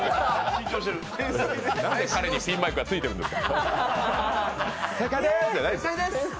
なんで彼にピンマイクがついてるんですか。